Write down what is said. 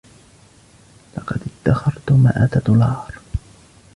لقد ادخرت مائه دولار.